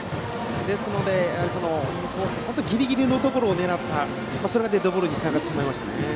ですので、インコースの本当にギリギリのところを狙ったのがデッドボールにつながってしまいました。